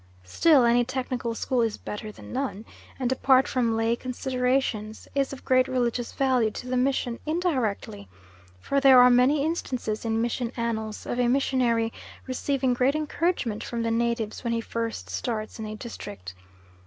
Still any technical school is better than none, and apart from lay considerations, is of great religious value to the mission indirectly, for there are many instances in mission annals of a missionary receiving great encouragement from the natives when he first starts in a district.